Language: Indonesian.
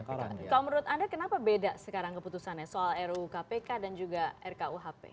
kalau menurut anda kenapa beda sekarang keputusannya soal ru kpk dan juga rkuhp